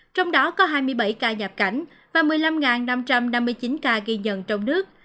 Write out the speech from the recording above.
trong đó có hai mươi bảy ca nhập cảnh và một mươi năm năm trăm năm mươi chín ca ghi nhận trong nước